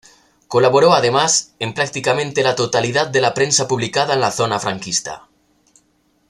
Colaboró, además, en prácticamente la totalidad de la prensa publicada en la zona franquista.